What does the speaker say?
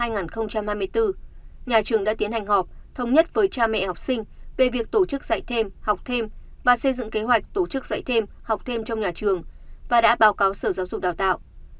nhà trường đã tiến hành họp thống nhất với cha mẹ học sinh về việc tổ chức dạy thêm học thêm và xây dựng kế hoạch tổ chức dạy thêm học thêm trong nhà trường và đã báo cáo sở giáo dục đào tạo